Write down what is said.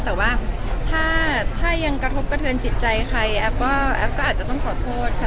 แต่ว่าถ้ายังกระทบกระเทือนจิตใจใครแอฟก็แอฟก็อาจจะต้องขอโทษค่ะ